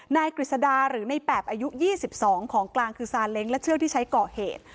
กฤษดาหรือในแปบอายุ๒๒ของกลางคือซาเล้งและเชือกที่ใช้ก่อเหตุ